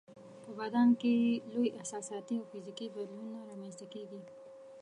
په بدن کې یې لوی احساساتي او فزیکي بدلونونه رامنځته کیږي.